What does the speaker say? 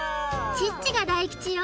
チッチが大吉よ